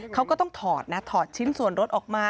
เขาก็ต้องถอดนะถอดชิ้นส่วนรถออกมา